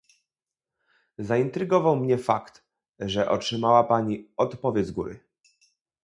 Zaintrygował mnie fakt, że otrzymała pani odpowiedź z góry